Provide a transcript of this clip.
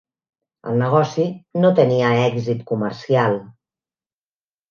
El negoci no tenia èxit comercial.